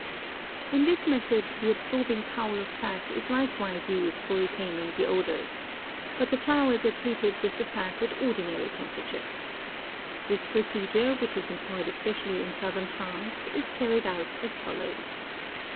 In this method the absorbing power of fat is likewise used for retaining the odors, but the flowers are treated with the fat at ordinary temperatures. This procedure which is employed especially in southern France is carried out as follows.